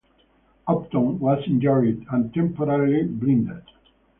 Hopton was injured and temporarily blinded.